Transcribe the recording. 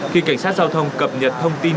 khi cảnh sát giao thông cập nhật thông tin